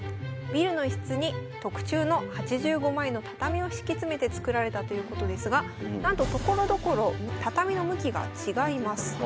ビルの一室に特注の８５枚の畳を敷き詰めて作られたということですがなんとところどころ畳の向きが違います。